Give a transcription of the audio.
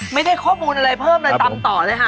ไม่ได้ข้อมูลอะไรเพิ่มเลยตามต่อเลยค่ะ